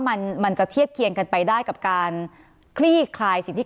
มันมันจะเทียบเคียงกันไปได้กับการคลี่คลายสิทธิ